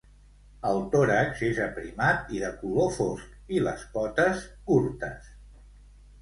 El tòrax és aprimat i de color fosc i les potes curtes.